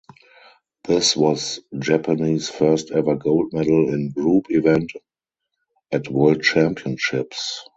This was Japanese first ever gold medal in group event at World Championships.